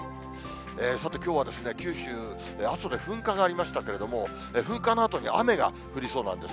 さて、きょうは九州、阿蘇で噴火がありましたけれども、噴火のあとに雨が降りそうなんです。